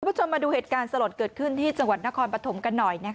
คุณผู้ชมมาดูเหตุการณ์สลดเกิดขึ้นที่จังหวัดนครปฐมกันหน่อย